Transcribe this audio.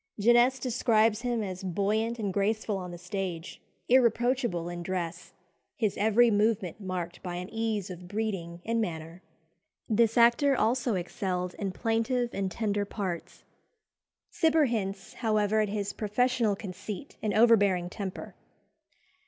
Genest describes him as buoyant and graceful on the stage, irreproachable in dress, his every movement marked by "an ease of breeding and manner." This actor also excelled in plaintive and tender parts. Cibber hints, however, at his professional conceit and overbearing temper.